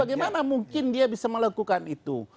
bagaimana mungkin dia bisa melakukan itu